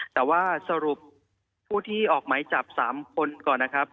แต่ว่าสรุปผู้ที่ออกไหมจับ๓คนก่อนนะครับ